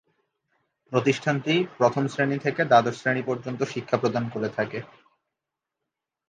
প্রতিষ্ঠানটি প্রথম শ্রেণী থেকে দ্বাদশ শ্রেণী পর্যন্ত শিক্ষা প্রদান করে থাকে।